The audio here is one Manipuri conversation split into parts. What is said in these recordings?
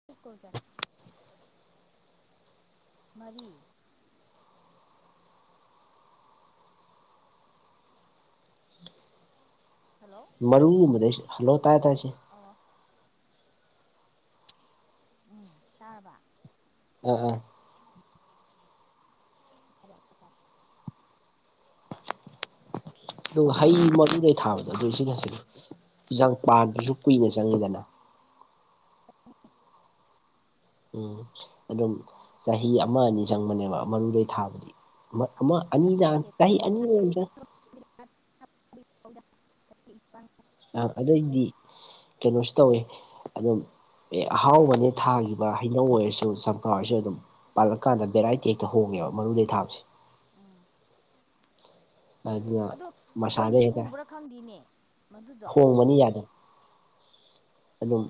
[unintelligible] ꯃꯔꯤ ꯍꯜꯂꯣ ꯃꯔꯨꯒꯨꯝꯕꯗꯩ ꯍꯜꯂꯣ ꯇꯥꯏ ꯇꯥꯏ ꯏꯆꯦ ꯑꯣ ꯎꯝ ꯇꯥꯔꯕ ꯎꯝ ꯎꯝ [inaudible] ꯑꯗꯨ ꯍꯩ ꯃꯔꯨꯗꯩ ꯊꯥꯕꯗꯣ ꯑꯗꯨ ꯁꯤꯗꯁꯨ ꯖꯥꯝ ꯄꯥꯟꯕꯖꯨ ꯀꯨꯏꯅ ꯆꯪꯉꯤꯗꯅ ꯎꯝ ꯑꯗꯨꯝ ꯆꯍꯤ ꯑꯃꯥ ꯑꯅꯤ ꯆꯪꯕꯅꯦꯕ ꯃꯔꯨꯗꯩ ꯊꯥꯕꯗꯨꯗꯤ ꯃꯥ ꯑꯃꯥ ꯑꯅꯤꯆꯥꯡ ꯆꯍꯤ ꯑꯅꯤꯗꯤ ꯗꯨꯝ ꯆꯪꯉꯦ [unintelligible] ꯑꯥ ꯑꯗꯣ ꯑꯩꯗꯤ ꯀꯩꯅꯣꯁꯨ ꯇꯧꯋꯦ ꯑꯗꯨꯝ ꯑꯦ ꯑꯍꯥꯎꯕꯅꯦ ꯊꯥꯒꯤꯕ ꯍꯩꯅꯧ ꯑꯣꯏꯔꯁꯨ ꯆꯝꯄ꯭ꯔꯥ ꯑꯣꯏꯔꯁꯨ ꯑꯗꯨꯝ ꯄꯥꯜꯂꯛꯀꯥꯟꯗ ꯕꯦꯔꯥꯏꯇꯤ ꯍꯦꯛꯇ ꯍꯣꯡꯉꯦꯕ ꯃꯔꯨꯗꯩ ꯊꯥꯕꯁꯦ ꯎꯝ ꯑꯗꯨꯅ ꯑꯗꯣ ꯃꯁꯥꯗ ꯍꯣꯏꯅꯦ ꯍꯣꯡꯕ꯭ꯔꯥ ꯈꯪꯗꯦꯅꯦ ꯃꯗꯨꯗꯣ ꯍꯣꯡꯃꯅꯤ ꯌꯥꯗꯦ ꯑꯗꯨꯝ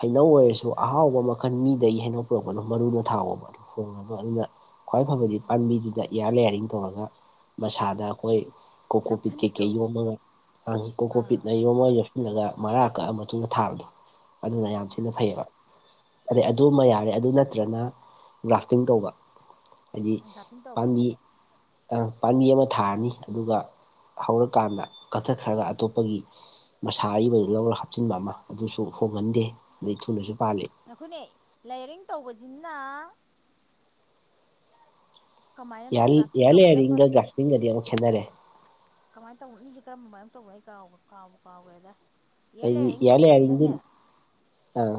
ꯍꯩꯅꯧ ꯑꯣꯏꯔꯁꯨ ꯑꯍꯥꯎꯕ ꯃꯈꯜ ꯃꯤꯗꯩ ꯍꯩꯅꯧ ꯄꯨꯔꯛꯄꯗꯣ ꯃꯔꯨꯗꯣ ꯊꯥꯑꯣꯕ ꯍꯣꯡꯉꯒ ꯑꯩꯅ ꯈ꯭ꯋꯥꯏ ꯐꯕꯗꯤ ꯎꯝ ꯄꯥꯝꯕꯤꯗꯨꯗ ꯏꯌꯥꯔ ꯂꯦꯌꯥꯔꯤꯡ ꯇꯧꯔꯒ ꯃꯁꯥꯗ ꯈꯣꯏ ꯀꯣꯀꯣꯄꯤꯠ ꯅꯞꯁꯤꯟꯕꯤꯗꯣ ꯀꯩꯀꯩ ꯌꯣꯝꯃꯒ ꯑꯥꯡ ꯑꯥ ꯀꯣꯀꯣꯄꯤꯠꯅ ꯌꯣꯝꯃꯒ ꯄꯨꯜꯂꯒ ꯃꯔꯥ ꯀꯛꯑ ꯃꯇꯨꯡꯗ ꯊꯥꯕꯗꯣ ꯑꯗꯨꯅ ꯌꯥꯝ ꯎꯝ ꯊꯤꯅ ꯐꯩꯑꯦꯕ ꯑꯗꯩ ꯑꯗꯨꯃ ꯌꯥꯔꯦ ꯑꯗꯨ ꯅꯠꯇ꯭ꯔꯅ ꯒ꯭ꯔꯥꯐꯇꯤꯡ ꯇꯧꯕ ꯍꯥꯏꯗꯤ ꯎꯝ ꯒ꯭ꯔꯥꯐꯇꯤꯡ ꯇꯧꯕ ꯄꯥꯝꯕꯤ ꯑꯥ ꯄꯥꯝꯕꯤ ꯑꯃꯥ ꯊꯥꯔꯅꯤ ꯑꯗꯨꯒ ꯍꯧꯔꯀꯥꯟꯗ ꯀꯛꯊꯠꯈ꯭ꯔꯒ ꯑꯇꯣꯞꯄꯒꯤ ꯃꯁꯥ ꯑꯔꯤꯕꯗꯨ ꯂꯧꯔ ꯍꯥꯞꯆꯤꯟꯕ ꯑꯃꯥ ꯑꯗꯨꯁꯨ ꯍꯣꯡꯒꯟꯗꯦ ꯑꯗꯩ ꯊꯨꯅꯁꯨ ꯄꯥꯜꯂꯦ ꯉꯥꯢꯈꯣꯅꯦ ꯂꯦꯏꯔꯤꯡ ꯇꯧꯕꯖꯤꯅ ꯀꯃꯥꯏꯅꯅꯣ ꯌꯥꯜ ꯒ꯭ꯔꯥꯐꯇꯤꯡ ꯌꯥꯜ ꯇꯧꯕꯅ ꯂꯦꯌ꯭ꯔꯔꯤꯡꯒ ꯄꯥꯝꯕꯤ ꯒ꯭ꯔꯥꯐꯇꯤꯡꯒꯗꯤ ꯑꯥꯃꯛ ꯈꯦꯠꯅꯔꯦ ꯀꯃꯥꯏꯟ ꯇꯧꯕꯅꯣ ꯑꯅꯤꯁꯦ ꯀꯔꯝ ꯃꯥꯏꯑꯣ ꯇꯧꯕꯅꯣ ꯑꯩ ꯀꯥꯎꯒ ꯀꯥꯎꯕꯨ ꯀꯥꯎꯒ꯭ꯔꯦꯗ ꯏꯌꯔ ꯂꯦꯌꯔꯤꯡ ꯇꯧꯕꯁꯤꯅꯅꯦ ꯑꯪ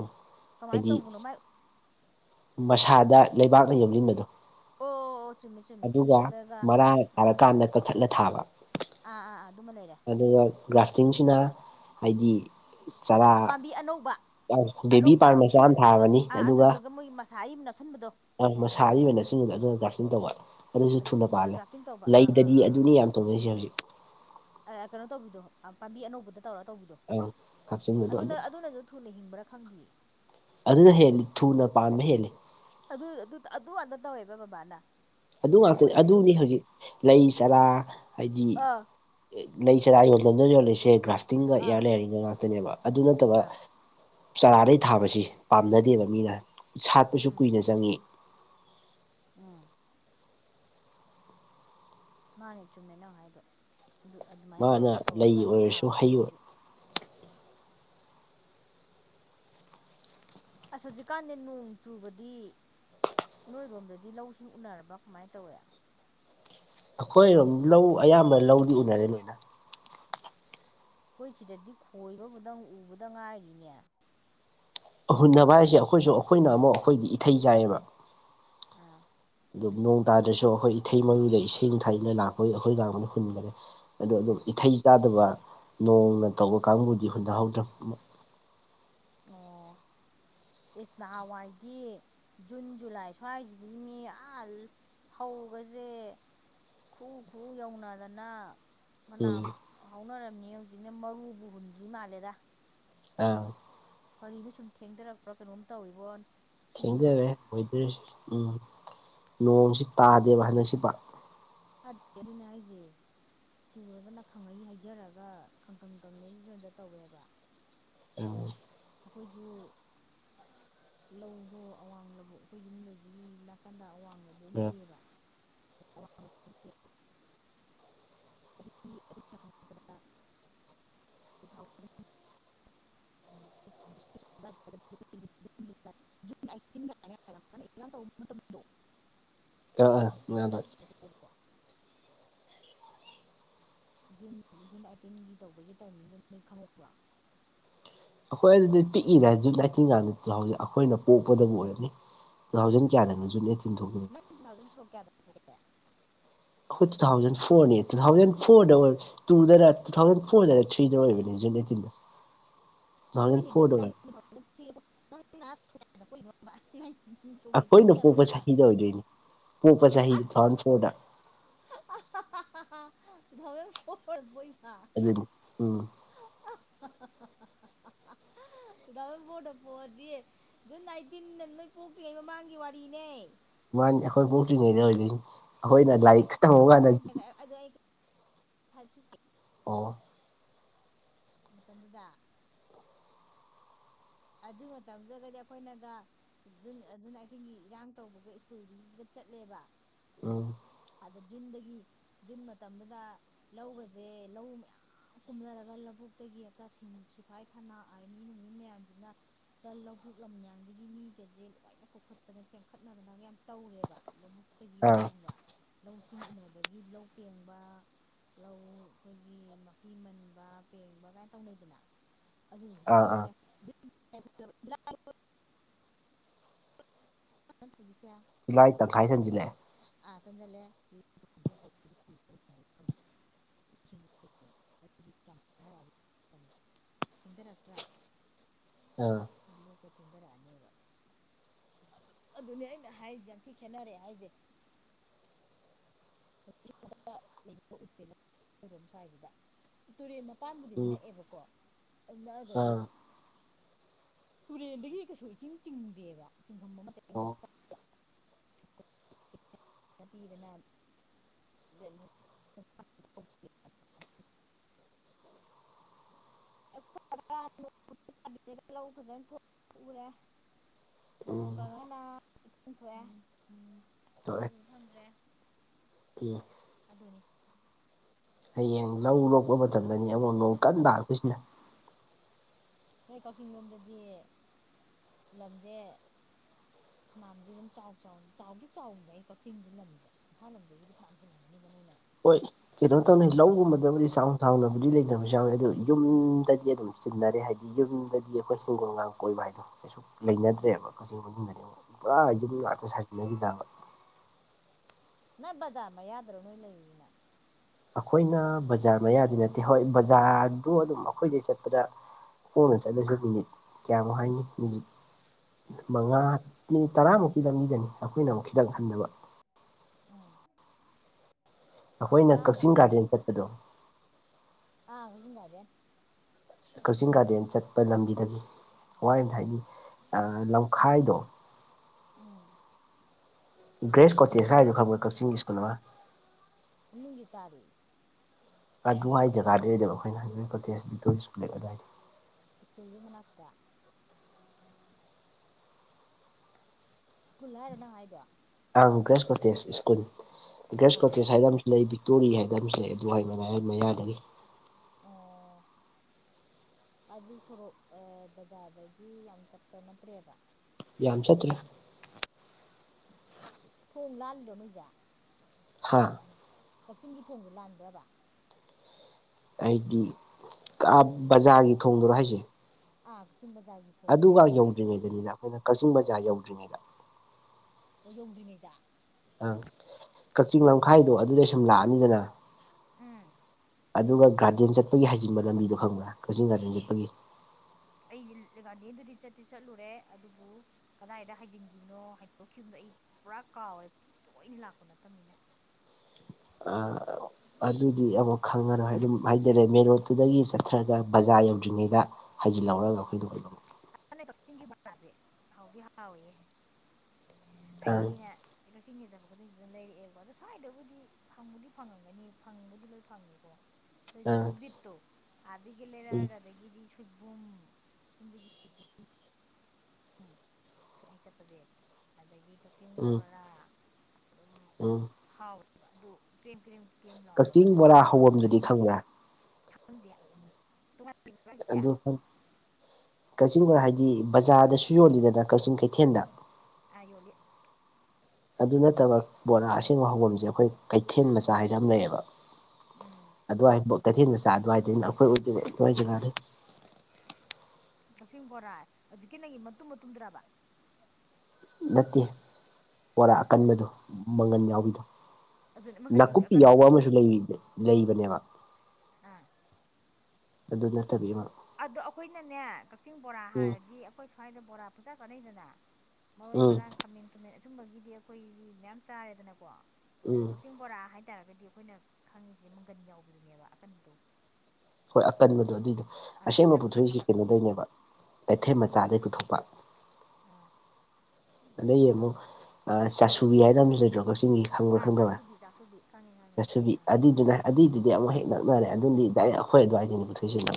ꯀꯃꯥꯏꯅ ꯍꯥꯏꯗꯤ ꯇꯧꯕꯅꯣ ꯃꯥꯏ ꯃꯁꯥꯗ ꯂꯩꯕꯥꯛꯅ ꯌꯣꯝꯖꯤꯟꯕꯗꯣ ꯑꯣ ꯑꯣ ꯑꯣ ꯆꯨꯝꯃꯦ ꯆꯨꯝꯃꯦ ꯑꯗꯨꯒ ꯃꯔꯥ ꯑꯥ ꯇꯥꯔꯀꯥꯟꯗ ꯀꯛꯊꯠꯂ ꯊꯥꯕ ꯑꯥ ꯑꯥ ꯑꯥ ꯑꯗꯨꯃ ꯂꯩꯔꯦ ꯑꯗꯨꯒ ꯒ꯭ꯔꯥꯞꯇꯤꯡꯁꯤꯅ ꯍꯥꯏꯗꯤ ꯆꯔꯥ ꯑ ꯄꯥꯝꯕꯤ ꯑꯅꯧꯕ ꯕꯦꯕꯤ ꯑꯅꯧꯕ ꯄꯥꯟ ꯃꯆꯥ ꯑꯃ ꯊꯥꯔꯅꯤ ꯑꯥ ꯑꯗꯨꯗꯨꯒ ꯃꯣꯏ ꯃꯁꯥ ꯑꯔꯤꯕ ꯅꯞꯁꯟꯕꯗꯣ ꯑꯪ ꯃꯁꯥ ꯑꯔꯤꯕ ꯅꯞꯁꯟꯕꯗꫭ ꯑꯗꯨꯅ ꯗ꯭ꯔꯥꯞꯇꯤꯡ ꯇꯧꯕ ꯑꯗꯨꯁꯨ ꯊꯨꯅ ꯆꯨꯝꯃꯤ ꯆꯨꯝꯃꯤ ꯄꯥꯜꯂꯦ ꯒ꯭ꯔꯥꯐꯇꯤꯡ ꯇꯧꯕ ꯑꯥ ꯑꯥ ꯂꯩꯗꯗꯤ ꯑꯗꯨꯅ ꯌꯥꯝ ꯇꯧꯅꯩꯖꯦ ꯍꯧꯖꯤꯛ ꯑ ꯀꯩꯅꯣ ꯇꯧꯕꯤꯗꯣ ꯄꯥꯝꯕꯤ ꯑꯅꯧꯕꯗ ꯇꯧꯔ ꯇꯧꯕꯤꯗꯣ ꯑꯥ ꯍꯥꯞꯆꯤꯟꯕꯗꯣ ꯑꯗꯨꯅ ꯑꯗꯨꯅꯖꯨ ꯊꯨꯅ ꯍꯤꯡꯕ꯭ꯔ ꯈꯪꯗꯤꯌꯦ ꯑꯗꯨꯅ ꯍꯦꯜꯂꯤ ꯊꯨꯅ ꯄꯥꯟꯕ ꯍꯦꯜꯂꯤ ꯑꯗꯨ ꯑꯗꯨ ꯇ ꯑꯗꯨ ꯉꯥꯛꯇ ꯇꯧꯋꯦꯕ ꯕꯕꯥꯅ ꯑꯗꯨ ꯉꯥꯛꯇꯅꯦ ꯑꯩꯈꯣꯏ ꯑꯗꯨꯅꯦ ꯍꯩꯔꯧꯗ ꯍꯧꯖꯤꯛ ꯂꯩ ꯆꯔꯥ ꯍꯥꯏꯗꯤ ꯑꯥ ꯂꯩ ꯆꯔꯥ ꯌꯣꯟꯕꯝꯗ ꯌꯣꯜꯂꯤꯁꯦ ꯒ꯭ꯔꯥꯐꯇꯤꯡꯒ ꯑꯥ ꯏꯌꯔ ꯂꯌꯥꯔꯤꯡꯒ ꯉꯥꯛꯇꯅꯦꯕ ꯑꯗꯨ ꯅꯠꯇꯕ ꯑꯥ ꯆꯔꯥꯗꯩ ꯊꯥꯕꯁꯤ ꯄꯥꯝꯅꯗꯦꯕ ꯃꯤꯅ ꯁꯥꯠꯄꯁꯨ ꯎꯝ ꯀꯨꯏꯅ ꯆꯪꯉꯤ ꯎꯝ ꯃꯥꯟꯅꯦ ꯆꯨꯝꯃꯦ ꯅꯪ ꯍꯥꯏꯗꯣ ꯑꯗꯨ ꯑꯗꯨꯝꯃꯥꯏꯅ ꯃꯥꯅ ꯇꯧꯔꯒ ꯇꯧꯔꯒ ꯂꯩ ꯑꯣꯏꯔꯁꯨ ꯊꯥꯕꯅꯦ ꯍꯩ ꯑꯣꯏꯔ ꯑꯈꯣꯏꯖꯨ ꯑꯁ ꯍꯧꯖꯤꯛꯀꯥꯟꯗꯤ ꯅꯣꯡ ꯆꯨꯕꯗꯤ ꯅꯣꯏꯔꯣꯝꯗꯗꯤ ꯂꯧꯁꯤꯡ ꯎꯅꯔꯕ ꯀꯝꯃꯥꯏ ꯇꯧꯋꯤ ꯑꯈꯣꯏꯔꫭꯝ ꯂꯧ ꯑꯌꯥꯝꯕ ꯂꯧꯗꯤ ꯎꯅꯔꯦ ꯂꯣꯏꯅ ꯑꯈꯣꯏ ꯁꯤꯗꯗꯤ ꯈꯣꯏꯕꯕꯨꯗꯪ ꯎꯕꯗ ꯉꯥꯏꯔꯤꯅꯦ ꯍꯨꯟꯅꯕ ꯍꯥꯏꯁꯦ ꯑꯈꯣꯏꯁꯨ ꯑꯈꯣꯏꯅ ꯑꯃꯨꯛ ꯑꯈꯣꯏꯗꯤ ꯏꯊꯩ ꯆꯥꯏꯌꯦꯕ ꯑ ꯑꯗꯨ‌ ꯅꯣꯡ ꯇꯥꯗ꯭ꯔꯁꯨ ꯑꯈꯣꯏ ꯏꯊꯩ ꯃꯔꯨꯗ ꯏꯁꯤꯡ ꯊꯟꯅ ꯂꯥꯛꯄꯒꯤ ꯑꯈꯣꯏ [unintelligible] ꯍꯨꯟꯕꯅꯦ ꯑꯗꯨ ꯑꯗꯨꯝ ꯎꯝ ꯏꯊꯩ ꯆꯥꯗꯕ ꯅꯣꯡꯅ ꯇꯧꯕ ꯀꯥꯡꯕꯨꯗꯤ ꯍꯨꯟꯅꯍꯧꯗꯕ ꯑꯃꯨꯛ ꯑꯣ ꯏꯁ ꯅꯍꯥꯋꯥꯏꯗꯤ ꯖꯨꯟ ꯖꯨꯂꯥꯏ ꯁ꯭ꯋꯥꯏꯖꯤꯗꯤ ꯃꯤ ꯑꯥ ꯐꯧꯒꯖꯦ ꯈꯨ ꯈꯨ ꯌꯧꯅꯗꯅ ꯎꯝ ꯃꯅꯥꯝ ꯍꯧꯅꯔꯝꯃꯤ ꯍꯧꯖꯤꯛꯅ ꯃꯔꯨꯕꯨ ꯍꯨꯟꯗ꯭ꯔꯤ ꯃꯥꯜꯂꯦꯗ [unintelligible] ꯀꯔꯤꯅꯣ ꯁꯨꯝ ꯊꯦꯡꯗꯔꯛꯄ꯭ꯔ ꯀꯩꯅꯣꯝ ꯇꯧꯋꯤꯕꫭꯟ ꯊꯦꯡꯗꯔꯦ ꯋꯦꯗꯔ ꯎꯝ ꯅꯣꯡꯁꯤ ꯇꯥꯗꯦꯕ ꯍꯟꯗꯛꯁꯤ ꯄꯥꯛ ꯇꯥꯗꯦ ꯑꯗꯨꯅꯦ ꯍꯥꯏꯖꯦ ꯆꯨꯔꯒꯅ ꯈꯪꯍꯩ ꯍꯩꯖꯔꯒ ꯈꯪꯀꯪ ꯀꯪꯕꯩ ꯐꯤꯕꯝꯗ ꯇꯧꯋꯦꯕ [unintelligible] ꯑꯈꯣꯏꯖꯨ ꯂꯧꯗꯣ ꯑꯋꯥꯡ ꯂꯕꯨꯨꯛ ꯑꯈꯣꯏ ꯌꯨꯝ ꯂꯩꯖꯤ ꯂꯥꯛꯀꯥꯟꯗ ꯑꯋꯥꯡ ꯂꯕꯨꯛ ꯑꯃ ꯂꯩꯌꯦꯕ [unintelligible] ꯑꯈꫭꯏꯅ ꯈꯪꯉꯛꯄꯗ ꯇꯨ ꯊꯥꯎꯖꯟ [unintelligible] ꯖꯨꯟ ꯑꯥꯏꯇꯤꯟ ꯒꯥꯏꯅ ꯌꯥꯝ ꯀꯟꯅ ꯏꯔꯥꯡ ꯇꯧꯕ ꯃꯇꯝꯗꯣ ꯑ ꯏꯌꯥꯝꯕ ꯀꯣꯕ ꯖꯨꯟ ꯖꯨꯟ ꯑꯥꯏꯠꯇꯤꯟꯒꯤ ꯇꯧꯕꯒꯤ ꯇꯥꯏꯃꯤꯡꯗꯣ ꯅꯣꯏ ꯈꯪꯉꯧꯕ꯭ꯔꫭ ꯑꯈꯣꯏ ꯑꯗꯨꯗꯤ ꯄꯤꯛꯏꯗ ꯖꯨꯟ ꯑꯥꯏꯠꯟꯇꯤꯟ ꯀꯥꯟꯗ [unintelligible] ꯑꯈꯣꯏꯅ ꯄꯣꯛꯄꯗꯕꯨ ꯑꯣꯏꯔꯝꯅꯤ ꯇꯨ ꯊꯥꯎꯖꯟ ꯀꯌꯥꯗꯅꫭ ꯖꯨꯟ ꯑꯥꯏꯠꯇꯤꯟ ꯊꯣꯛ ꯅꯪ ꯇꯨ ꯊꯥꯎꯖꯟ ꯁꯣꯛ ꯀꯌꯥꯗ ꯄꫭꯛꯀꯦ ꯑꯈꯣꯏ ꯇꯨ ꯊꯥꯎꯖꯟ ꯐꯣꯔꯅꯦ ꯇꯨ ꯊꯥꯎꯖꯟ ꯐꯣꯔꯗ ꯑꯣꯏ ꯇꯨꯗꯔ ꯇꯨ ꯊꯥꯎꯖꯟ ꯐꯣꯔ ꯗꯔ ꯊ꯭ꯔꯤ ꯗꯔ ꯑꯣꯏꯕꯅꯦ ꯖꯨꯟ ꯑꯥꯥꯏꯠꯇꯤꯟꯗꫭ [inaudible] ꯃꯣꯏ [unintelligible] ꯑꯈꯣꯏꯅ ꯄꯣꯛꯄ ꯆꯍꯤꯗ ꯑꯣꯏꯗꯣꯏꯅꯤ ꯄꯣꯛꯄ ꯆꯍꯤ ꯇꯨ ꯑꯁ ꯊꯥꯎꯖꯟ ꯐꯣꯔꯗ ꯇꯨ ꯊꯥꯎꯖꯟ ꯐꯣꯔꯗ ꯄꯣꯛꯏꯕ ꯎꯝ ꯇꯨ ꯊꯥꯎꯖꯟ ꯐꯣꯔꯗ ꯄꯣꯛꯑꯗꯤ ꯖꯨꯟ ꯑꯥꯏꯇꯤꯟꯗ ꯅꯣꯏ ꯄꯣꯛꯇ꯭ꯔꯤꯉꯩ ꯃꯃꯥꯡꯒꯤ ꯋꯥꯔꯤꯅꯦ ꯃꯥꯅꯤ ꯑꯩꯈꯣꯏ ꯄꯣꯛꯇ꯭ꯔꯤꯉꯩꯗ ꯑꯣꯏꯗꯣꯏꯅꯤ ꯑꯩꯈꯣꯏꯅ ꯂꯥꯏꯔꯤꯛ ꯇꯝꯍꯧ ꯑꯗꯨꯅꯦ ꯀꯥꯟꯗ ꯍꯥꯏꯖꯦ ꯅ ꯑꯗꯨ ꯑꯩ ꯀꯩ ꯐꯥꯏꯚ ꯁꯤꯁ ꯁꯦ ꯑꯣ ꯃꯇꯝꯗꯨꯗ ꯑꯗꯨ ꯃꯇꯝꯗꯨꯒꯗꯤ ꯑꯈꯣꯏꯅꯒ ꯖꯨꯟ ꯖꯨꯟ ꯑꯥꯏꯇꯤꯡꯒꯤ ꯏꯔꯥꯡ ꯇꯧꯕꯒ ꯁ꯭ꯀꯨꯜꯗꯨꯒꯤꯒ ꯆꯠꯂꯦꯕ [unintelligible] ꯑꯗꯥ ꯖꯨꯟꯗꯒꯤ ꯖꯨꯟ ꯃꯇꯝꯗꯨꯗ ꯂꯧꯒꯖꯦ ꯂꯧ ꯃꯌꯥꯝ ꯌꯥꯝ ꯀꯨꯝꯅꯔꯒ ꯂꯧꯕꯨꯛꯇꯒꯤ ꯍꯦꯛꯇꯥ ꯁꯤꯟ ꯁꯤꯐꯥꯏ ꯊꯅꯥ ꯑꯥꯔꯃꯤ ꯅꯨꯡꯃꯤ ꯃꯌꯥꯝꯖꯤꯅ ꯇ ꯂꯧꯕꯨꯛ ꯂꯝꯌꯥꯡꯗꯒꯤ ꯃꯤꯒꯖꯦ ꯂꯣꯏꯅ ꯀꯧꯈꯠꯇꯅ ꯆꯦꯟꯈꯠꯅꯗꯅꯒ ꯌꯥꯝ ꯇꯧꯔꯦꯕ ꯂꯧꯕꯨꯛ ꯇꯒꯤ ꯒꯥ ꯑꯥ ꯈꯪꯕ꯭ꯔ ꯂꯧꯁꯤꯡ ꯎꯅꯕꯒꯤ ꯂꯧ ꯄꯦꯡꯕ ꯂꯧ ꯑꯩꯈꯣꯏꯒꯤ ꯃꯄꯤ ꯃꯟꯕ ꯄꯦꯡꯕ ꯀꯥꯏꯅ ꯇꯧꯅꯩꯗꯅ ꯑꯗꯨ ꯍꯧꯖꯤꯛ ꯑꯥ ꯑꯥ ꯌꯦꯡꯉꯨꯅꯦ [unintelligible] [unintelligible] ꯖꯨꯂꯥꯏ ꯇꯪꯈꯥꯏ ꯑꯗ ꯆꯟꯖꯤꯜꯂꯦꯑꯦ ꯑꯥ ꯇꯟꯖꯜꯂꯦꯑꯦ [unintelligible] ꯑꯗꯨꯗꯤ ꯀꯌꯥꯝ ꯈꯦꯠꯅꯔꯛꯑꯒꯦ ꯃꯇꯝꯁꯦ ꯊꯦꯡꯗꯔꯛꯇ꯭ꯔꯥ ꯑꯥ ꯍꯣꯏ ꯂꯣꯛꯄ ꯊꯦꯡꯗꯔꯛꯑꯅꯦꯕ ꯑꯗꯨ ꯑꯗꯨꯅꯦ ꯑꯩꯅ ꯍꯥꯏꯖꯦ ꯌꯥꯝ ꯊꯤ ꯈꯦꯠꯅꯔꯛꯑꯦ ꯍꯥꯏꯖꯦ [unintelligible] ꯅꯣꯏ ꯔꯣꯝ ꯁ꯭ꯋꯥꯏꯖꯤꯗ ꯇꯨꯔꯦꯟ ꯃꯄꯥꯟꯕꯨꯗꯤ ꯎꯝ ꯅꯛꯑꯦꯕꯀꯣ ꯑꯗꯨ ꯅꯛꯑꯒꯖꯨ ꯑꯥ ꯇꯨꯔꯦꯟꯗꯒꯤ ꯀꯩꯁꯨ ꯏꯁꯤꯡ ꯆꯤꯡꯗꯦꯕ ꯆꯤꯡꯕꯝ ꯑꯃꯇ ꯍꯦꯛ ꯂꯩ ꯑꯣ [unintelligible] ꯄꯤꯗꯅ [unintelligible] [unintelligible] ꯂꯧ ꯐꯖꯅ ꯊꯣꯛ ꯊꯣꯛꯎꯔꯦ ꯅꯣꯡ ꯎꯝ ꯀꯪꯉꯒꯅ ꯏꯀꯪ ꯊꯣꯛꯑꯦ ꯎꯝ ꯂꯧ ꯎꯕ ꯐꯪꯗ꯭ꯔꯦ ꯇꯦꯁ ꯑꯗꯨꯅꯤ ꯍꯌꯦꯡ ꯂꯧ ꯂꯣꯛꯄ ꯇꯧꯔꯤ ꯃꯇꯝꯗꯅꯤ ꯑꯃꯨꯛ ꯅꯣꯡ ꯍꯧꯖꯤꯛ ꯀꯟꯅ ꯇꯥꯔꯛꯇꯣꯏꯁꯤꯅ ꯅꯣꯏ ꯀꯥꯛꯆꯤꯡ ꯂꯣꯝꯗꯗꯤ ꯂꯝꯖꯦ ꯐꯅꯥꯝꯗꯤ ꯑꯗꯨꯝ ꯆꯥꯎ ꯆꯥꯎꯅ ꯆꯥꯎꯗꯤ ꯆꯥꯎꯒꯤ ꯗꯥꯢ ꯀꯛꯆꯤꯡꯗꯤ ꯂꯝꯖꯦ ꯏꯝꯐꯥꯜ ꯂꯣꯝꯗꯒꯤꯗꯤ ꯐꯅꯥꯝ ꯍꯦꯜꯂꯝꯒꯅꯤꯗ ꯅꯣꯏꯅ ꯍꯣꯏ ꯀꯩꯅꯣ ꯇꯧꯅꯩ ꯏꯁꯀ꯭ꯋꯥꯔ ꯂꯧꯒꯨꯝꯕꯗꯕꯨꯗꯤ ꯀꯤꯂꯣꯃꯤꯇꯔꯁꯦ ꯆꯥꯎ ꯆꯥꯎꯅꯕꯨꯗꯤ ꯂꯩꯅꯕꯖꯨ ꯌꯥꯎꯋꯦ ꯑꯗꯨ ꯌꯨꯝꯗꯗꯤ ꯑꯗꯨꯝ ꯆꯤꯟꯅꯔꯦ ꯍꯥꯏꯗꯤ ꯌꯨꯝꯗꯗꯤ ꯑꯩꯈꯣꯏ ꯍꯤꯡꯒꯣꯜꯒ ꯀꯣꯏꯕ ꯍꯥꯏꯗꯣ ꯀꯩꯁꯨ ꯎꯝ ꯂꯩꯅꯗ꯭ꯔꯦꯕ ꯀꯛꯆꯤꯡ ꯃꯅꯨꯡꯗꯗꯤ ꯑꯃꯨꯛ ꯄꯨꯔꯥ ꯌꯨꯝ ꯎꯝ ꯉꯥꯛꯇ ꯁꯥꯖꯤꯟꯅꯒꯤꯗꯕ ꯅꯪ ꯕꯖꯥꯔ ꯃꯌꯥꯗꯔꯣ ꯅꯣꯏ ꯂꯩꯔꯤꯖꯤꯅ ꯑꯩꯈꯣꯏꯅ ꯕꯖꯥꯔ ꯃꯌꯥꯗꯤ ꯅꯠꯇꯦ ꯍꯣꯏ ꯕꯖꯥꯔꯗꯣ ꯑꯗꯨꯝ ꯑꯩꯈꯣꯏꯗꯩ ꯆꯠ ꯄꯗ ꯈꯣꯡꯅ ꯆꯠꯂꯁꯨ ꯃꯤꯅꯤꯠ ꯀꯌꯥꯃꯨꯛ ꯍꯥꯏꯅꯤ ꯃꯤꯅꯤꯠ ꯃꯉꯥ ꯃꯤꯅꯤꯠ ꯇꯔꯥꯃꯨꯛꯀꯤ ꯂꯝꯗꯤ ꯍꯦꯟꯅꯤ ꯑꯩꯈꯣꯏꯅ ꯑꯃꯨꯛ ꯈꯤꯇꯪ ꯍꯟꯗꯕ ꯎꯝ ꯃꯤ ꯑꯩꯈꯣꯏꯅ ꯇꯔꯥꯃꯨꯛ ꯀꯛꯆꯤꯡ ꯒꯥꯔꯗꯦꯟ ꯆꯠꯄꯗꯣ ꯑꯥ ꯀꯛꯆꯤꯡ ꯒꯥꯔꯗꯦꯟ ꯀꯛꯆꯤꯡ ꯒꯥꯔꯗꯦꯟ ꯆꯠꯄ ꯂꯝꯕꯤꯗꯒꯤ ꯋꯥꯏꯝ ꯍꯥꯏꯒꯤ ꯑꯥ ꯂꯝꯈꯥꯏꯗꯣ ꯎꯝ ꯒ꯭ꯔꯦꯁ ꯀꯣꯇꯦꯁ ꯍꯥꯏꯔꯤꯗꯨ ꯈꯪꯕ꯭ꯔ ꯀꯛꯆꯤꯡꯒꯤ ꯁ꯭ꯀꯨꯜ ꯑꯃ ꯃꯃꯤꯡꯒꯤ ꯇꯥꯔꯦ ꯀꯗ꯭ꯋꯥꯢ ꯖꯒꯥꯗ ꯂꯩꯗꯣꯢꯕ ꯑꯩꯈꯣꯏꯅ ꯒ꯭ꯔꯤꯟ ꯀꯣꯇꯦꯋ ꯁ꯭ꯀꯨꯜ ꯂꯩꯕ ꯑꯗ꯭ꯋꯥꯏꯗ ꯢꯁ꯭ꯀꯨꯜꯗꯨꯢ ꯃꯅꯥꯛꯇ ꯁ꯭ꯀꯨꯜ ꯍꯥꯏꯔꯣ ꯅꯪ ꯍꯥꯏꯗꯣ ꯑꯪ ꯒ꯭ꯔꯦꯁ ꯀꯣꯇꯦꯁ ꯁ꯭ꯀꯨꯜ ꯒ꯭ꯔꯦꯁ ꯑꯥ ꯀꯣꯇꯦꯁ ꯍꯥꯏꯁꯦ ꯂꯩ ꯕꯤꯛꯇꯣꯔꯤ ꯍꯥꯏꯕ ꯑꯃꯁꯨ ꯂꯩ ꯑꯗꯨꯍꯥꯏ ꯃꯃꯥꯌꯥꯏ ꯃꯌꯥꯗꯒꯤ ꯑꯣ ꯍꯥꯏꯗꯤ ꯁꯣꯔꯣꯛ ꯑ ꯕꯖꯥꯔꯗꯒꯤ ꯌꯥꯝ ꯆꯠꯄ ꯅꯠꯇ꯭ꯔꯦꯕ ꯌꯥꯝ ꯆꯠꯇ꯭ꯔꯦ ꯊꯣꯡ ꯂꯥꯜꯂꯤꯔꯣ ꯅꯣꯏꯖꯦ ꯍꯥꯥ ꯀꯥꯛꯆꯤꯡꯒꯤ ꯊꯣꯡꯗꯣ ꯂꯥꯟꯕ꯭ꯔꯥꯕꯥ ꯑꯩꯗꯤ ꯀꯥꯞ ꯕꯥꯖꯥꯔꯒꯤ ꯊꯣꯡꯗꯨꯔꯣ ꯍꯥꯏꯖꯦ ꯑ ꯀꯥꯛꯆꯤꯡ ꯕꯖꯥꯔꯒꯤ ꯊꯣꯡꯗꯣ ꯑꯗꯨꯒ ꯑꯆꯧꯕꯗꯣ ꯌꯧꯗ꯭ꯔꯤꯉꯩꯗꯅꯤꯗ ꯑꯩꯈꯣꯏꯅ ꯀꯥꯛꯆꯤꯡ ꯕꯖꯥꯔ ꯌꯧꯗ꯭ꯔꯤꯉꯩꯗ ꯍꯣꯏ ꯌꯧꯗ꯭ꯔꯤꯉꯩꯗ ꯑ ꯀꯥꯛꯆꯤꯡ ꯑꯣ ꯂꯝꯈꯥꯏꯗꯣ ꯑꯗꯨꯗꯒꯤ ꯁꯨꯝ ꯂꯥꯛꯑꯅꯤꯗꯅ ꯎꯝ ꯑꯗꯨꯒ ꯒ꯭ꯔꯥꯗꯦꯟ ꯆꯠꯄꯒꯤ ꯍꯥꯏꯖꯤꯟꯕ ꯂꯝꯕꯤꯗꯣ ꯈꯪꯕ꯭ꯔꯥ ꯀꯥꯛꯆꯤꯡ ꯒ꯭ꯥꯔꯗꯦꯟ ꯆꯠꯄꯒꯤ ꯑꯩꯗꯤ ꯂꯤ ꯒ꯭ꯔꯥꯗꯦꯟꯗꯨꯗꯤ ꯆꯠꯇꯤ ꯆꯠꯂꯨꯔꯦ ꯑꯗꯨꯕꯨ ꯀꯗꯥꯏꯗ ꯍꯥꯏꯖꯤꯟꯈꯤꯕꯅꯣ ꯍꯥꯏꯗꯣꯛꯈꯤꯕꯅꯣ ꯑꯩ ꯄꯨꯔꯥ ꯀꯥꯎꯔꯦ ꯇꯣꯏꯅ ꯂꯥꯛꯄ ꯅꯠꯇꯕꯅꯤꯅ ꯑꯥ ꯑꯗꯨꯗꯤ ꯑꯃꯨꯛ ꯈꯪꯉꯔꯣꯏ ꯑꯗꯨꯝ ꯍꯥꯏꯗꯔꯦ ꯎꯝ ꯃꯦꯟꯔꯣꯠꯇꯨꯗꯒꯤ ꯆꯠꯊꯔꯒ ꯕꯖꯥꯔ ꯌꯧꯗ꯭ꯔꯤꯉꯩꯗ ꯍꯥꯏꯖꯤꯜꯍꯧꯔꯒ ꯑꯩꯈꯣꯏꯗꯨ ꯀꯩꯅꯣꯝꯃꯥ ꯃꯥꯅꯦ ꯀꯥꯛꯆꯤꯡꯒꯤ ꯕꯣꯔꯥꯁꯦ ꯍꯥꯎꯗꯤ ꯍꯥꯎꯏꯍꯦ ꯑꯥ ꯑꯩꯅꯦ ꯑꯩ ꯀꯥꯛꯆꯤꯡꯒꯤ ꯆꯠꯄ ꯈꯨꯗꯤꯡꯗꯨꯗ ꯂꯩꯔꯛꯑꯦꯕ ꯑꯗꯣ ꯁ꯭ꯋꯥꯏꯗꯕꯨꯗꯤ ꯐꯪꯕꯨꯗꯤ ꯐꯪꯉꯝꯒꯅꯤ ꯐꯪꯕꯨꯗꯤ ꯂꯣꯏ ꯐꯪꯉꯦꯀꯣ ꯑꯩꯖꯨꯁꯨꯝ ꯑꯥ ꯕꯤꯠꯇꯣ ꯑꯥꯗꯒꯤ ꯎꯝ ꯂꯩꯔꯛꯑꯒ ꯑꯗꯒꯤꯗꯤ ꯁꯣꯏꯕꯨꯝ ꯆꯤꯡꯗꯒꯤ ꯁꯣꯏꯕꯨꯝ ꯁꯨꯃꯥꯏꯅꯆꯠꯄꯖꯦ ꯑꯗꯒꯤ ꯀꯥꯛꯆꯤꯡ ꯎꯝ ꯕꯣꯔꯥ ꯑꯗꯨꯝ ꯎꯝ ꯍꯥꯎꯑꯦꯕ ꯑꯗꯨ ꯀ꯭ꯔꯦꯝ ꯀ꯭ꯔꯦꯝ ꯀ꯭ꯔꯦꯝ ꯂꯥꯎꯔꯒ ꯀꯥꯛꯆꯤꯡ ꯕꯣꯔꯥ ꯑꯗꯨ ꯀꯛꯆꯤꯡ ꯍꯧꯕꯝꯗꯨꯗꯤ ꯈꯪꯕ꯭ꯔꯥ ꯈꯪꯗꯦ ꯇꯣꯉꯥꯟꯅ ꯌꯣꯟꯕ꯭ꯔꯥ ꯍꯥꯏꯖꯦ ꯑꯍꯝ ꯀꯥꯛꯆꯤꯡ ꯕꯣꯔꯥ ꯍꯥꯏꯗꯤ ꯕꯖꯥꯔꯗꯁꯨ ꯌꯣꯜꯂꯤꯗꯅ ꯀꯥꯛꯆꯤꯡ ꯀꯩꯊꯦꯜꯗ ꯑꯥꯏ ꯌꯣꯟꯂꯤ ꯑꯗꯨ ꯅꯠꯇꯕ ꯕꯣꯔꯥ ꯑꯁꯦꯡꯕ ꯍꯧꯕꯝꯖꯦ ꯑꯩꯈꯣꯏ ꯀꯩꯊꯦꯜ ꯃꯆꯥ ꯍꯥꯏꯅ ꯑꯃ ꯂꯩꯌꯦꯕ ꯎꯝ ꯑꯗꯨꯋꯥꯏꯕꯨ ꯀꯩꯊꯦꯜ ꯃꯆꯥ ꯑꯗꯨꯋꯥꯏꯗꯩꯅ ꯑꯩꯈꯣꯏꯕꯨ ꯑꯗꯨꯋꯥꯏ ꯖꯥꯒꯥꯗꯩꯩ ꯀꯛꯆꯤꯡ ꯕꯣꯔꯥꯠ ꯍꯧꯖꯤꯛꯀꯤ ꯅꯪꯒꯤ ꯃꯇꯨꯝ ꯃꯇꯨꯝꯗꯨꯔꯥꯕꯥ ꯅꯠꯇꯦ ꯕꯣꯔꯥ ꯀꯃꯥꯏꯅ ꯑꯀꯟꯕꯗꯣ ꯇꯧꯕ ꯃꯪꯒꯟ ꯌꯥꯎꯕꯤꯗꯣ ꯑꯗꯨꯅꯦ ꯃꯪꯒꯟ ꯌꯧꯕꯤ ꯅꯥꯀꯨꯞꯄꯤ ꯌꯥꯎꯕ ꯑꯀꯟꯕꯗꯣ ꯑꯃꯁꯨ ꯂꯩ ꯂꯩꯕꯅꯦꯕꯥ ꯑꯥ ꯑꯗꯨ ꯅꯠꯇꯕꯤ ꯑꯃ ꯑꯗꯣ ꯑꯈꯣꯏꯅꯅꯦ ꯀꯥꯛꯆꯤꯡ ꯕꯣꯔꯥ ꯎꯝ ꯍꯥꯏꯔꯗꯤ ꯑꯈꯣꯏ ꯁ꯭ꯋꯥꯏꯗ ꯕꯣꯔꯥ ꯄꯨꯆꯥ ꯆꯥꯅꯩꯗꯅ ꯃꯔꯣꯏ ꯎꯝ ꯃꯔꯥꯡ ꯈꯥꯃꯦꯟ ꯇꯨꯃꯦꯟ ꯑꯁꯨꯝꯕꯒꯤꯗꯤ ꯑꯈꯣꯏꯒꯤ ꯃꯌꯥꯝ ꯆꯥꯔꯦꯗꯅꯀꯣ ꯑꯗ ꯎꯝ ꯀꯥꯛꯆꯤꯡ ꯕꯣꯔꯥ ꯍꯥꯏ ꯇꯥꯔꯒꯗꯤ ꯑꯈꯣꯏꯅ ꯈꯪꯉꯤꯖꯦ ꯃꯪꯒꯟ ꯌꯥꯎꯕꯤꯗꯨꯅꯦꯕ ꯑꯀꯟꯕꯗꯣ ꯍꯣꯏ ꯑꯀꯟꯕꯗꯣ ꯑꯗꯨꯏꯗꯣ ꯑꯪ ꯑꯁꯦꯡꯕ ꯀꯗ꯭ꯔꯥꯛ ꯀꯗ꯭ꯔꯥꯛ ꯄꯨꯊꯣꯛꯏꯖꯦ ꯀꯗ꯭ꯔꯥꯛ ꯂꯥꯎ ꯀꯩꯅꯣꯗꯩꯅꯦꯕ ꯀꯩꯊꯦꯟ ꯃꯆꯥꯗꯩ ꯄꯨꯊꯣꯛꯄ ꯑꯥ ꯑꯗꯩ ꯑꯃꯨꯛ ꯑꯥ ꯆꯥꯁꯨꯕꯤ ꯍꯥꯏꯅ ꯑꯃꯖꯨ ꯂꯩꯇ꯭ꯔꯣ ꯀꯛꯆꯤꯡꯒꯤ ꯈꯪꯕ꯭ꯔꯥ ꯑꯥ ꯈꯪꯗꯕ꯭ꯔꯥ ꯆꯥꯁꯨꯕꯤ ꯆꯥꯁꯨꯕꯤ ꯈꯪꯉꯦ ꯈꯪꯉꯦ ꯈꯪꯉꯦ ꯆꯥꯁꯨꯕꯤ ꯑꯥ ꯑꯗꯨꯏꯗꯨꯅ ꯑꯗꯨꯏꯗꯨꯗꯤ ꯑꯥ ꯑꯃꯨꯛ ꯍꯦꯛ ꯅꯛꯅꯔꯦ ꯑꯗꯨꯗꯤ ꯗꯥꯏꯔꯦꯛ ꯑꯈꯣꯏ ꯑꯗꯨꯋꯥꯏꯗꯩꯅꯤ ꯄꯨꯊꯣꯛꯏꯖꯤꯅ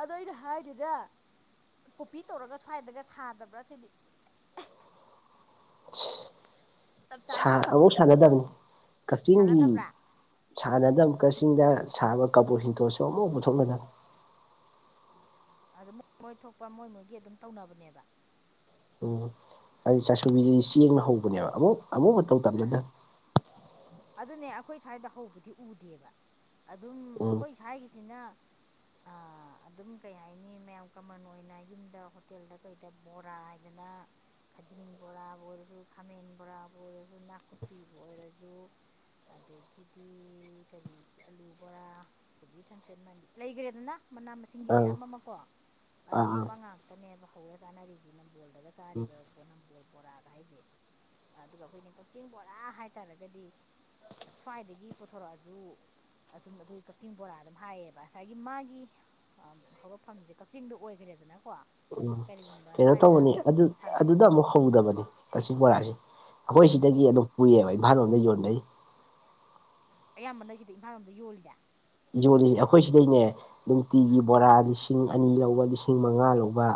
ꯑꯗꯣ ꯑꯩꯅ ꯍꯥꯏꯗꯨꯅ ꯀꯣꯄꯤ ꯇꯧꯔꯒ ꯁ꯭ꯋꯥꯏꯗꯒ ꯁꯥꯗꯕ꯭ꯔꯥ ꯁꯤꯅꯤ ꯆꯞ ꯁꯥ ꯆꯥꯅ ꯑꯃꯨꯛ ꯁꯥꯟꯅꯗꯕꯅꯤ ꯀꯥꯛꯆꯤꯡꯒꯤ ꯁꯥꯟꯅꯗꯕ꯭ꯔꯥ ꯁꯥꯟꯅꯗꯝ ꯀꯥꯆꯤꯡꯗ ꯁꯥꯕ ꯀꯕꯣꯛ ꯍꯤꯡꯇꯣꯠꯁꯨ ꯑꯃꯨꯛ ꯄꯨꯊꯣꯛꯅꯗꯝ ꯑꯗꯣ ꯃꯣꯏ ꯃꯣꯏ ꯊꯣꯛꯄ ꯃꯣꯏ ꯃꯣꯏꯒꯤ ꯑꯗꯨꯝ ꯇꯧꯅꯕꯅꯦꯕ ꯎꯝ ꯑꯩ ꯆꯥꯁꯨꯕꯤꯖꯤꯗꯤ ꯆꯦꯡꯅ ꯍꯧꯕꯅꯦꯕ ꯑꯃꯨꯛ ꯑꯃꯨꯛ ꯃꯇꯧ ꯑꯥ ꯇꯝꯅꯗꯝ ꯑꯗꯨꯅꯦ ꯑꯈꯣꯏ ꯁ꯭ꯋꯥꯏꯗ ꯍꯧꯕꯗꯤ ꯎꯗꯦꯕ ꯑꯗꯨꯝ ꯎꯝ ꯑꯈꯣꯏ ꯁ꯭ꯋꯥꯏꯒꯤꯖꯤꯅ ꯑꯥ ꯑ ꯑꯗꯨꯝ ꯀꯩ ꯍꯥꯏꯅꯤ ꯃꯌꯥꯝ ꯀꯃꯟ ꯑꯣꯏꯅ ꯌꯨꯝꯗ ꯍꯣꯇꯦꯜꯗ ꯀꯩꯗ ꯕꯣꯔꯥ ꯍꯥꯏꯗꯅ ꯈꯖꯤꯡ ꯕꯣꯔꯥꯕꯨ ꯑꯣꯏꯔꯖꯨ ꯈꯥꯃꯦꯟ ꯕꯣꯔꯥꯕꯨ ꯑꯣꯏꯔꯖꯨ ꯅꯥꯀꯨꯞꯄꯤꯕꯨ ꯑꯣꯏꯔꯖꯨ ꯑꯗꯒꯤꯗꯤ ꯀꯔꯤ ꯑꯂꯨ ꯕꯣꯔꯥ ꯀꯣꯕꯤ ꯊꯝꯆꯦꯟ ꯃꯥꯟꯕꯤ ꯂꯩꯒ꯭ꯔꯦꯗꯅ ꯃꯅꯥ ꯃꯁꯤꯡꯒꯤ ꯑꯪ ꯃꯌꯥꯝ ꯑꯃ ꯀꯣ ꯑꯥ ꯑꯥ ꯑꯗꯨꯝꯕ ꯉꯥꯛꯇꯅꯦꯕ ꯍꯧꯔ ꯆꯥꯅꯔꯤꯖꯤ ꯅꯝꯕꯣꯜꯗꯒ ꯎꯝ ꯆꯥꯔꯤꯕ ꯅꯝꯕꯣꯜ ꯕꯣꯔꯥꯒ ꯍꯥꯏꯖꯦ ꯑꯗꯨꯒ ꯑꯈꯣꯏꯅ ꯀꯛꯆꯤꯡ ꯕꯣꯔꯥ ꯍꯥꯏꯇꯥꯔꯒꯗꯤ ꯁ꯭ꯋꯥꯏꯗꯒꯤ ꯄꯣꯊꯣꯔꯑꯖꯨ ꯑꯗꯨꯝ ꯑꯗꯨꯏ ꯀꯛꯆꯤꯡ ꯕꯣꯔꯥ ꯑꯗꯨꯝ ꯍꯥꯏꯌꯦꯕ ꯑꯁꯥꯏꯒꯤ ꯃꯥꯒꯤ ꯑ ꯍꯧꯔꯛꯐꯝꯖꯦ ꯀꯛꯆꯤꯡꯗ ꯑꯣꯏꯒ꯭ꯔꯦꯗꯅꯀꯣ ꯎꯝ ꯀꯩꯅꯣ ꯇꯧꯕꯅꯤ ꯑꯗꯨꯠ ꯑꯗꯨꯗ ꯁꯥꯔꯝꯃꯒꯁꯨ ꯑꯃꯨꯛ ꯍꯧꯗꯕꯅꯤ ꯀꯆꯤꯡ ꯕꯣꯔꯥꯖꯤ ꯑꯈꯣꯏ ꯎꯝ ꯁꯤꯗꯒꯤ ꯑꯗꯨꯝ ꯄꯨꯏꯌꯦꯕ ꯏꯝꯚꯥꯟ ꯂꯣꯝꯗ ꯌꯣꯟꯕꯩ ꯑꯌꯥꯝꯕꯅ ꯖꯤꯗ ꯏꯝꯚꯥꯔꯣꯝꯗ ꯌꯣꯜꯂꯤꯖꯦ ꯌꯣꯜꯂꯤꯖꯤ ꯑꯈꯣꯏ ꯁꯤꯗꯩꯅꯦ ꯅꯨꯡꯇꯤꯒꯤ ꯑꯥ ꯕꯣꯔꯥ ꯂꯤꯁꯤ ꯁꯤꯡ ꯑꯅꯤ ꯂꯧꯕ ꯂꯤꯁꯤꯡ ꯃꯉꯥ ꯂꯧꯕ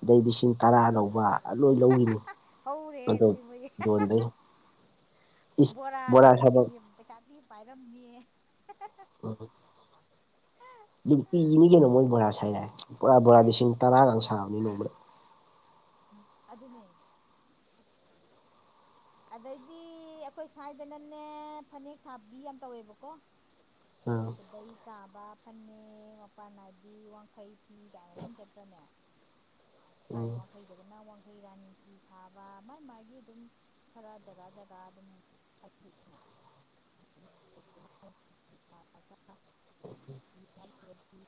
ꯑꯗꯩ ꯑꯁ ꯂꯤꯁꯤꯡ ꯇꯔꯥ ꯂꯧꯕ ꯂꯣꯏ ꯂꯧꯔꯤꯅꯤ ꯍꯧꯔꯦꯍꯦ ꯑꯗꯣ ꯑꯗꯨꯗꯤ ꯃꯣꯏ ꯌꯣꯟꯕꯩ ꯏꯁ ꯕꯣꯔꯥ ꯁꯥꯕ ꯊꯧꯔꯤꯁꯤꯡꯖꯤ ꯄꯩꯁꯥ ꯗꯤ ꯄꯥꯏꯔꯝꯅꯤꯌꯦ [unintelligible] ꯅꯨꯡꯇꯤꯒꯤꯅꯤ ꯀꯩꯅꯣ ꯃꯣꯏ ꯕꯣꯔꯥ ꯁꯥꯏꯔꯦ ꯄꯨꯔꯥ ꯕꯣꯔꯥ ꯂꯤꯁꯤꯡ ꯇꯔꯥꯒ ꯁꯥꯕꯅꯤ ꯅꯣꯡꯃꯗ ꯎꯝ ꯑꯗꯨꯅꯦ ꯑꯗꯩꯗꯤ ꯑꯈꯣꯏ ꯁ꯭ꯋꯥꯏꯗꯅꯅꯦ ꯐꯅꯦꯛ ꯁꯥꯕꯤ ꯌꯥꯝ ꯇꯧꯋꯦꯕꯀꯣ [unintelligible] ꯈꯨꯗꯩ ꯆꯥꯕ ꯐꯅꯦꯛ ꯃꯄꯥꯟ ꯅꯥꯏꯕꯤ ꯋꯥꯡꯈꯩ ꯐꯤ ꯀꯥꯏ ꯃꯃꯤꯡ ꯆꯠꯇ꯭ꯔꯅꯦ ꯁ꯭ꯋꯥꯏ ꯎꯝ ꯋꯥꯡꯈꯩꯗꯒꯅ ꯋꯥꯡꯈꯩ ꯔꯥꯅꯤ ꯐꯤ ꯁꯥꯕ ꯃꯥꯏ ꯃꯥꯥꯏꯒꯤ ꯑꯗꯨꯝ ꯈꯔ ꯖꯒꯥ ꯖꯒꯥ ꯑꯗꯨꯝ [unintelligible] [unintelligible]